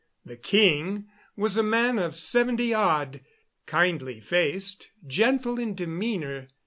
The king was a man of seventy odd, kindly faced, gentle in demeanor.